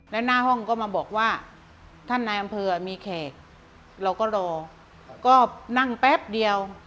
แล้วหน้าห้องก็มาบอกว่าท่านนายอำเภอมีแขกเราก็รอก็นั่งแป๊บเดียว